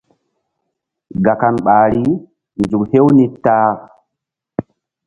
Gakan ɓahri: nzuk hew mi ta-a.